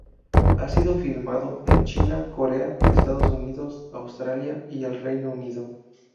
Ha sido filmado en China, Corea, Estados Unidos, Australia y el Reino Unido.